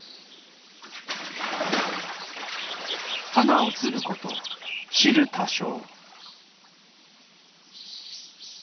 「花落つること知る多少」。